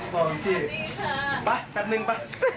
ไปประจำนึงป่ะ